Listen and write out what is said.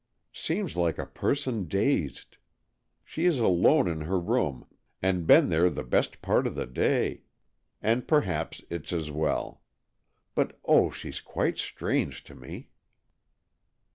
" Seems like a person dazed. She is alone in her room, and been there the best part of the day, and perhaps it's as well. But, oh, she's quite strange to me."